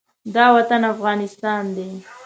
دا وطن افغانستان دی.